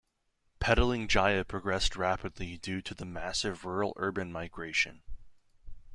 Petaling Jaya progressed rapidly due to the massive rural-urban migration.